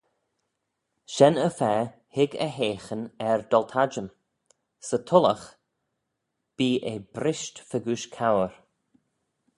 Shen-y-fa hig e heaghyn er doaltattym: 'sy tullogh bee eh brisht fegooish couyr.